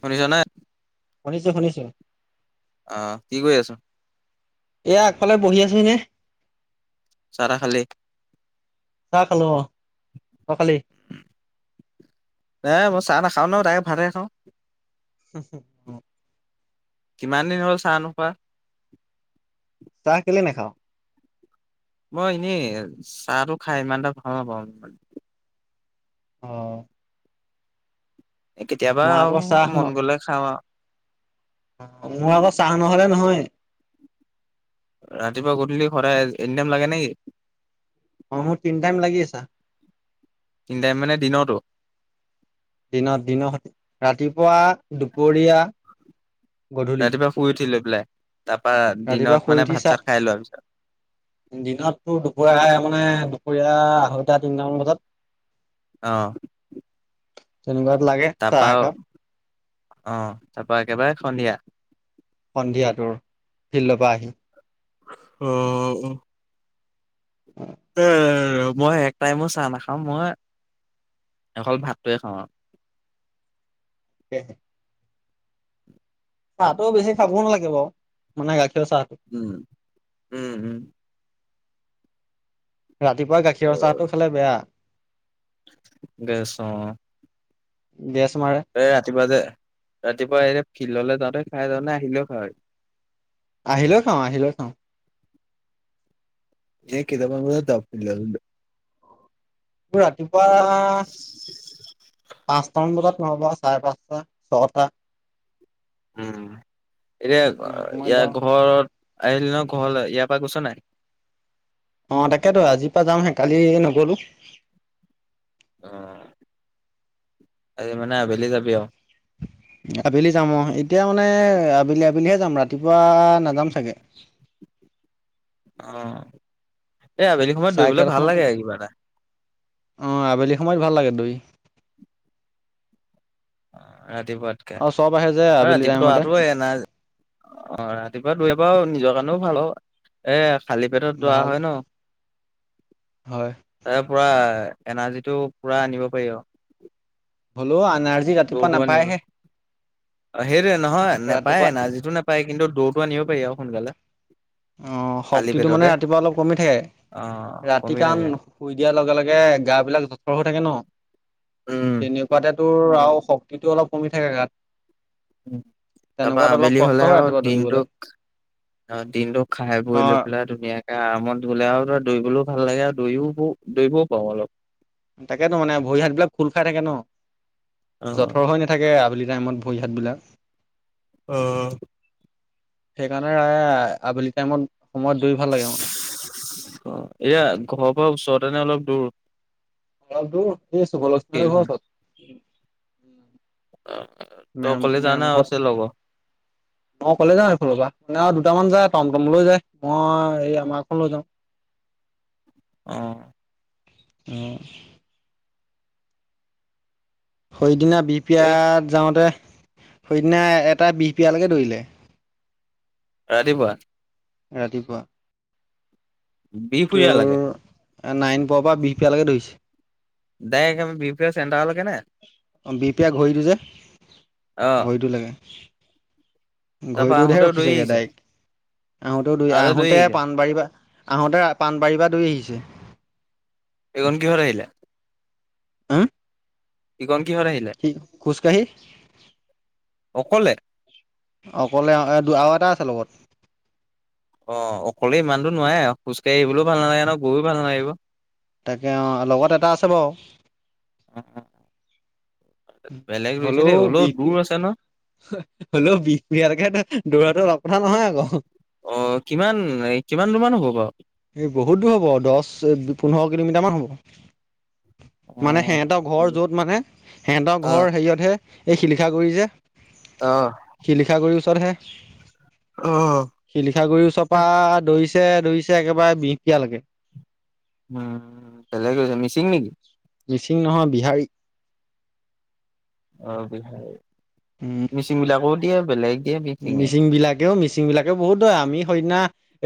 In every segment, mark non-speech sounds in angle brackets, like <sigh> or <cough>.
শুনিছানে? শুনিছোঁ শুনিছোঁ আহ কি কৰি আছো? এইয়া আগফালে বহি আছো এনে চাহ-তাহ খালি? চাহ খালো অ তই খালি? এ মই চাহ নাখাওঁ ন ডাই ভাতে খাওঁ। হোম হোম অ কিমান দিন হ'ল চাহ নোখোৱা চাহ কেলে নেখাওঁ? মই এনেই চাহটো খাই ইমানটা ভাল নাপাওঁ। অহ এ কেতিয়াবা চাহ আৰু ন মন গলে খাওঁ আৰু মোৰ আকৌ চাহ নহলে নহয় ৰাতিপুৱা, গধূলি সদায় এনিটাইম লাগে নেকি? অ মোৰ তিন টাইম লাগি চাহ তিনন্তাইম মানে দিনতো? দিনত দিনৰ সতে ৰাতিপুৱাগ্ৰ দুপৰীয়া গধূলি ৰাতিপুৱা শুই উঠিলে পেলাই আ দিনত মানে ভাত চাত খাই লোৱা পিছত? দিনত তোৰ দুপৰীয়া মানে দুপৰীয়া আঢ়ৈটা তিনটামান বজাত। <inaudible> অ তেনেকুৱাত লাগে তাৰপা চাহ একাপ অ তাৰপা একেবাৰে সন্ধিয়া? সন্ধিয়াটোৰ ফিল্ডৰ পৰা আহি। অ অ এ মই এক টাইমো চাহ নাখাম মই অকল ভাতটোৱে খাওঁ আৰু হে হে চাহটোও বেছি খাবও নালাগে বাৰু মানে গাখীৰ উম উম উম ৰাতিপুৱা অ গাখীৰৰ চাহটো খালে বেয়া। গেছ অ গেছ মাৰে এ ৰাতিপুৱা যে ৰাতিপুৱা এই ফিল্ডলৈ যাওঁতে খাই যাওঁ নে আহি পেলায় খাওঁ? আহিলৈ খাওঁ আহিলৈ খাওঁ এ কেইটামান বজাত যাওঁ ফিল্ডলে ৰাতিপুৱা পাঁচটামান বজাত নহ'ব চাৰে পাঁচটা, ছয়টা উম এতিয়া সময়ত ইয়াৰ যাওঁ। ঘৰত আহিল ন ঘৰলৈ ইয়াৰ পৰা গৈছ নাই অ তাকেতো আজিৰ পৰা যামহে কালি নগলো- অ হাই মানে আবেলি যাবি আৰু আবেলি যাম অ এতিয়া মানে আবেলি আবেলি পিনিহে যাম ৰাতিপুৱা নাযাম চাগে অ এই আবেলি সময়ত দৰিবলে ভাল লাগে আৰু কিবা এটা আহ আবেলি সময়ত ভাল লাগে দই ৰাতিপুৱাতকে আহে যে আৰু আবেলি ৰাতিপুৱা টাইমতে অহটো এনাৰ অ ৰাতিপুৱা দুয় পৰাৰ নিজৰ কাৰণেও ভাল অ এ খালী পেটত দৰা ভাল হয় ন হয় তাৰ পৰা এনাৰ্জিটো পুৰা আনিব পাৰি আৰু হ'লো আনাৰ্জী ৰাতিপুৱা নাপায়হে অ সেইটোৱে নহয় নাপায় ৰাতিপুৱা এনাৰ্জিটো নাপায় কিন্তু দৌৰটো আনিব পাৰি আৰু সোনকালে অ খালী শক্তিটো মানে পেটতে। ৰাতিপুৱা অলপ কমি অ', থাকে- ৰাতি কমি কাৰণ থাকে। শুই দিয়াৰ লগে লগে গা বিলাক জঠৰ হৈ থাকে ন উম, তেনেকুৱাতে তোৰ আৰু শক্তিটো অলপ কমি থাকে গাত- তাৰপা আবেলি হলে হয় আৰু ৰাতিপুৱা দৌৰিবলৈ দিনটোক অ দিনটো- খাই অ বই লৈ পেলাই ধুনীয়াকে আৰামত গলে আৰু দৌৰিবলও ভাল ভাল লাগে আৰু দৌৰি দৌৰিবও পাওঁ অলপ তাকেতো মানে ভৰি হাত বিলাক খোল খাই থাকে ন অ'। জথৰ হৈ নাথাকে আবেলি টাইমত ভৰি হাতবিলাক অ সেইকাৰণে আবেলি টাইমত সময়ত দৌৰি ভাল লাগে মানে অ এয়া ঘৰৰ পৰা ওচৰতেনে অলপ দূৰ অলপ দূৰ সুবলক্ষ্মী হেতৰ ঘৰ ফিল্ডখন? ওচৰত তই মে অকলে যাৱ নে আৰু মেমূখত আছে লগৰ? মই অকলে যাওঁ এইফালৰ পৰা আৰু দুটামান যায় টমটমলৈ যায় মই এই আমাৰখন লৈ যাওঁ অ অ সেইদিনা ঠিকে আছে, বিহপিয়াত যাওঁতে সেইদিনা এটা বিহপিয়ালৈকে দৌৰিলে ৰাতিপুৱা ৰাতিপুৱা বিহফুৰিয়া লৈকে এ নাইন পৰৰ পৰা বিহ পিয়ালৈকে ধৰিছে ডাই বি পি চেটাৰলৈকে নে অ বিপিয় ঘড়ীটো যে অ', ঘড়ীটো লাগে- তাৰপা ঘড়ীটো আহোতেও দৌৰি ৰখিছোগে আহিছে, ডাইৰেক্ট আহোতেো দুই আহোতে দৌৰি আহোঁতে আহিছে। পাণবাৰী পৰা- আহোঁতে পাণবাৰীৰ পৰা দৈ আহিছে- এখন কি ঘৰ আহিলে উম।। ইকণ কিহত আহিলে? কি খোজকাঢ়ি? অকলে অ অকলে আৰু এটা আছে লগত অ অকলে ইমানটো নোৱাৰে খোজ কাঢ়ি আহিবলৈও ভাল নালাগে ন গৈও ভাল নালাগিব তাকে অ লগত এটা আছে বাৰু বেলেগ ৰুইছে হ'লেও দেই হলও বিশ দূৰ আছে ন হলেও বিহপুৰীয়ালেকে তয় দৌৰাতো অলপ কথা নহয় আকৌ। অ কিমান, কিমানটো মান হ'ব বাও? এ বহুত দূৰ হ'ব দচ, পোন্ধৰ কিলোমিটাৰ মান অ হ'ব। মানে সিহেতৰ ঘৰ যত মানে সিহঁতৰ অ ঘৰ হেৰিয়তহে। এই শিলিখাগুৰি যে, অ শিলিখা গুৰি ওচৰতহে। অ শিলিখাগুৰিৰ ওচপা দৌৰিছে দৰিছে। একেবাই বিহপীয়া লেকে। উম উম উম পালেগৈ। মিচিং নেকি? মিচিং নহয় বিহাৰী। অ বিহাই, উম মিচিং বিলাকো দিয়ে বেলেগ। দিয়ে মিচিঙে মিচিং বিলাকেও, মিচিং বিলাকেও বহুত দৌৱে। আমি সেইদিনা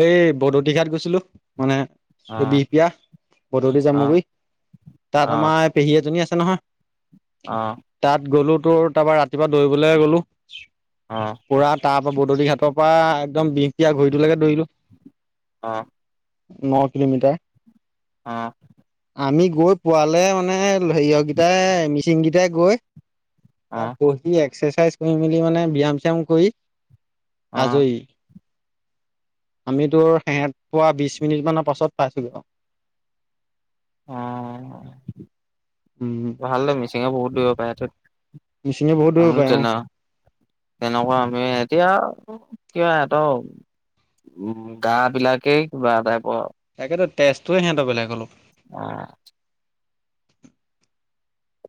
এই বদতিঘাত গৈছিলো, মানে। অ এই বিহপিয়া, গধূলি অ জামুগুৰি তাত অ আমাৰ পেহী এজনী আছে নহয়। অ তাত গলো ত, তাৰপৰা ৰাতিপুৱা দৌৰিবলে গ'লো। অহ। পুৰা তাৰ পৰা বদলিহতৰ পৰা একদম বিহপিয়া ঘড়ীটোলেকে দৌৰিলো। অ অ ন কিলোমিটাৰ। অহ। আমি গৈ পোৱালে মানে হেৰিয় কিটাই মিচিংকেইটাই গৈ। তাত বহি এক্সাৰচাইজ কৰি মেলি মানে ব্যায়াম শ্যাম কৰি। অ আজই। আমি তোৰ সেহত পোৱা বিশ মিনিট মানৰ পাছত পাইছোগেয়। <inaudible> অ উম ভাল দে মিচিঙে বহুত দৌৰিব পাৰে থত। মিচিঙে বহুত দৌৰিব আমি পাৰে অ তেনে, তেনেকুৱা আমি। এতিয়া এতিয়া এত, উ গা বিলাকেই কিবা টাইপ। তাকেতো তেজটোৱে সিহঁতৰ বেলেগ অলপ। <unintelligible>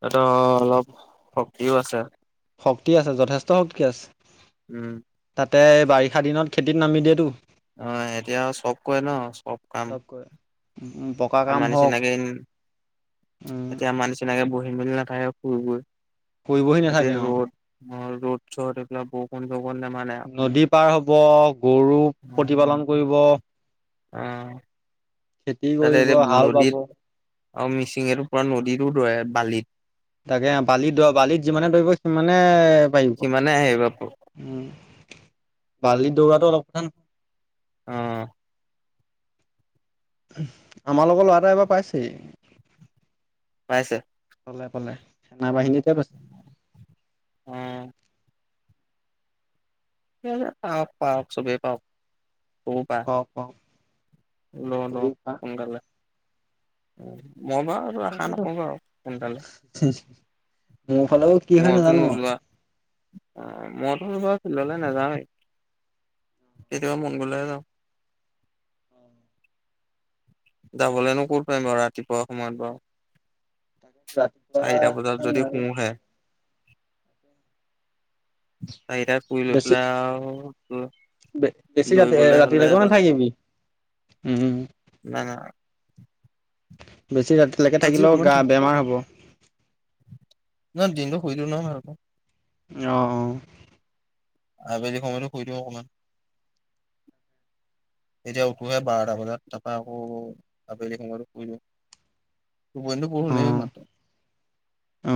অ অ, অলপ শক্তিও আছে। শক্তি আছে যথেষ্ট শক্তি আছে। উম। তাতে বাৰিষা দিনত খেতিত নামি দিয়েতো। অ', এতিয়া আৰু চব কৰে ন চব কাম? উম, পকা কাম আমাৰ হওক নিচিনাকে উম', উম এতিয়া আমাৰ নিচিনাকে বহি নাথাকে শুই-বুই। কৰিবহি এই নাথাকে ৰ'দ, আৰু অ', ৰ'দ চদ এইবিলাক বৰষুণ-সৰখুন নদী পাৰ হব, গৰু প্ৰতিপালন কৰিব। অ', খেতি তাতে কৰিব, এতিয়া হাল বাব। নদীত আৰু মিচিঙে টো পৰা নদীতো দৌৰে, বালিত। তাকে অ', বালি দ বালিত যিমানে দৌৰিব সিমানে পাৰিব। সিমানে আহিব উম', বালিত দৌৰাটো অলপ <unintelligible> অ'। আমাৰ লগৰ ল'ৰা এটাই এবাৰ পাইছেই। ছে। পালে-পালে, সেনা বাহিনীক। উম'। পাওক-পাওক চবেই পাওক। অ', পাওক। লঃ-লঃ, কৰি খা। সোনকালে। উম'। মই বাও এতো আশা তাকেতো নকৰো বাৰু সোনকালে। মোৰ ফালেও কি হয় মইতো নাজানো আৰু। নোযোৱা অ মইতো <unintelligible> বাৰু ফিয়েল্ডৰলৈ নেজাউৱে। কেতিয়াবা মন গ'লেহে যাওঁ। যাবলেনো ক'ত পাৰিম বাৰু ৰাতিপুৱা সময়ত আৰু বাৰু? ৰাতিপুৱা চাৰিটা বজাত যদি নোৱাৰিম শুওঁহে। চাৰিটাত ফুৰি লৈ বেছি পেলাই আৰু বেছি ৰাতি দৌৰিবলে এ--ৰাতি হ'লে লগে এবেলা নেথাকিবী। উম'। অ'। বেছি ৰাতিলৈকে থাকিলেও অকমান গা থাক বেমাৰ হ'ব। নহয় দিনটো শুইিদিওঁ নহয়। <unintelligible> আবেলি সময়তো শুই দিওঁ অকমান। <inaudible> এতিয়া উঠোহে বাৰটা বজাত তাৰপা আকৌ আবেলি সময়টো শুই দিওঁ। <unintelligible> অ হলে হে মাটো। অ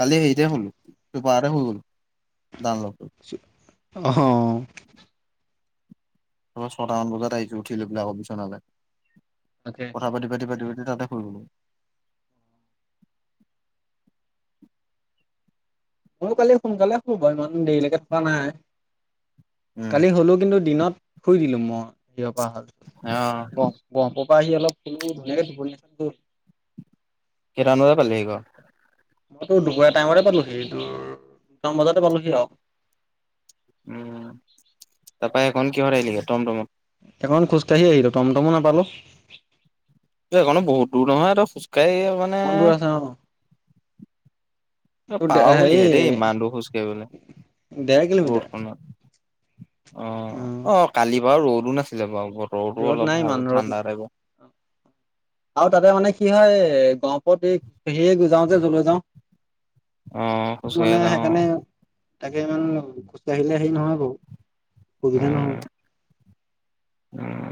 কালি হেৰিতে হুলো। দুপাহাৰতে শুই গলো। দুনলোপ টোত। অ'। ছটাামান বজাত আহিছো উঠিলৈ পিনি আকৌ বিচনালৈ, তাকে কথা পাতি-পাতি-পাতি তাতে শুই গল। ময় কালি সোনকালে হুলো বাৰু, ইমান দেৰিলৈকে থকা নাই। উম কালি হলো কিন্তু দিনত শুই দিলো মই <unintelligible> অ গ-গ আহি অলপ হুলো, ধুনীয়াকে <unintelligible> কেইটা মান বজাত পালিহি ঘৰ? মইতো দুপৰীয়া টাইমতে পালোহি, টোৰ দুটামান বজাতে পালোহি আৰু। উম', তাৰাপা এইকণ কিহত আহিলগে, টম-টমত? এখন খোজকাাঢ়িয়ি আহিলো, তম-তমো নাপালো। এইকনো বহুত দূৰ নহয়। তই খোজকাঢ়িয় মানে অকমান দূৰ আছে অ তোৰ পাৰঃ বুলি হেৰি হে দেই ইমান দুহ খোজ কঢ়িবলে, ডেৰ কিলোমিটাৰ ৰদ খনত। অ'। অ', কালি বাৰু ৰ'দো নাছিলে বাৰু বতৰ টো‌ ৰ'দ নাই অলপ ভাল ইমান ৰ'দ ঠাণ্ডা আৰু তাতে মানে কি হয় এই, গহপুৰত এই <unintelligible> যাওঁ যে যলৈ যাওঁ। অ তো খোজকাঢ়ি মানে যাওঁ সেইকাৰণে তাকে ইমান গুচি আহিলে হেৰি নহয় বাৰু। সুবিধান নহ উম উম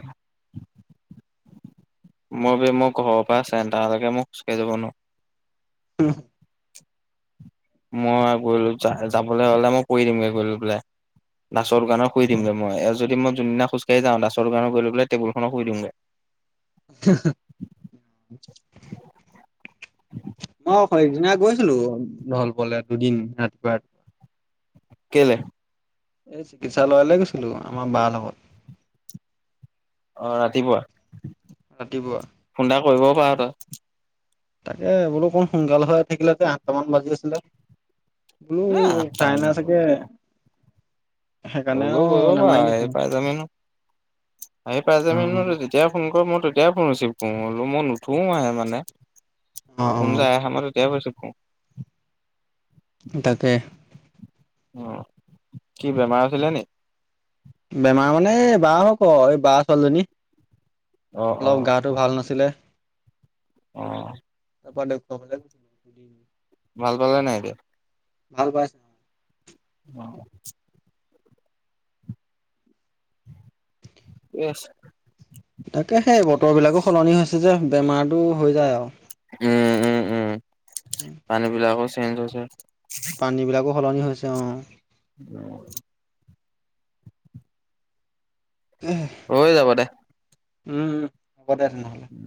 মই বি মোৰ ঘৰৰ পৰা আছে তালৈকে মোক খোজকাঢ়ি যাব নোৱাৰো। উম মই গলো যাবলৈ হলে মই কৰি দিমগে গৈ পেললে দাছৰ দোকানত ৰ শুই দিমগৈ মই আৰু যদি মই যোনদিনা খোজকাঢ়ি যা ডাছৰ গান গ টেবুলখন শুই দিমগৈ। <inaudible> মই সদিনা গৈছিলো নল পলে দুদিন ৰাতিপুৱা ৰাতিপুৱা কেলে এই চিকিৎসালয়লৈ গৈছিলো আমাৰ বাৰ লগত অ ৰাতিপুৱা। ৰাতিপুবা কৰিবঢ পাৰ ত তাকে বোলো অকণ সোনকাল হৈ থাকিলে যে আঠটা মান বাজি আছিলে। বলো এ আঠটা চাইনা চাগে সেইকাৰণে গ আৰু বাবা নামাৰিলো এই ফোন। ফাইদা মেনো আহি পাই য ম অ', তেতিয়া পুনৰ কৰ ম তেতিয় ফোন ৰিচিভ কৰোলো মই নুঠোও আহে মানে অ', ফোন অ', যোয় আহ মাৰ তেতিয়া ৰিচিভ কৰো ই তাকে অ কি বেমাৰ আছিলে নি? বেমাৰ মানে এই বহ হক এই বা ছোৱালীজনী। অ অলপ গাটো ভাল নাছিলে। অঁ ত পাে কম লছিল <unintelligible> ভাল পালে নাই এতিয়া? ভাল পাইছা। অঁ কৰি আছোঁ। তাকে সেই বতৰ বিলাকো সলনি হৈছে যে বেমাৰটো হৈ যায় আৰু উম উম উম পানী বিলাকো চেঞ্জ হৈছে। পানী বিলাকো সলনি হৈছে অঁ। উম হৈ যাব দে। উম উম ব ন উম